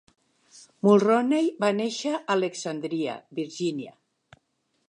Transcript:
Mulroney va nàixer a Alexandria, Virgínia.